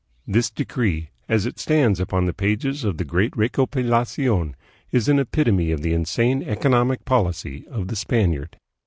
This decree, as it stands upon the pages of the great Recopilacion, is an epitome of the insane economic policy of the Spaniard.